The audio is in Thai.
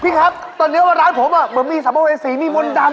พี่ครับตอนนี้ว่าร้านผมมันมีสัมโพธิสีมีวนดำอ่ะ